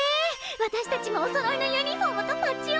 私たちもおそろいのユニフォームとパッチを作ろう！